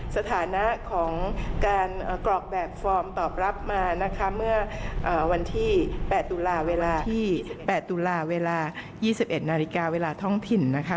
สถานะของการกรอกแบบฟอร์มตอบรับมานะคะเมื่อวันที่๘ตุลาเวลาที่๘ตุลาเวลา๒๑นาฬิกาเวลาท้องถิ่นนะคะ